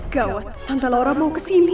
gawat tante laura mau kesini